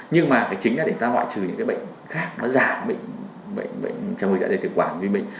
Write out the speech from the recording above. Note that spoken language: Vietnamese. nhưng mà chính là để ta ngoại trừ những bệnh khác nó giảm bệnh trào ngược dạ dày thực quản như mình